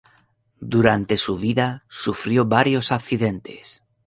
Durante su vida sufrió varios accidentes.